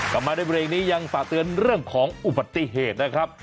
กลับมาในเบรกนี้ยังฝากเตือนเรื่องของอุบัติเหตุนะครับ